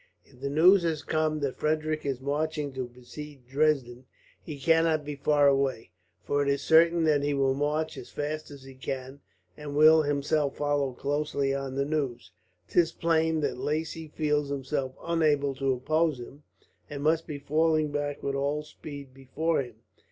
If the news has come that Frederick is marching to besiege Dresden, he cannot be far away; for it is certain that he will march as fast as he can, and will himself follow closely on the news. 'Tis plain that Lacy feels himself unable to oppose him, and must be falling back with all speed before him.